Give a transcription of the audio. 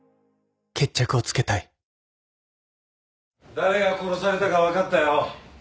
誰が殺されたか分かったよ。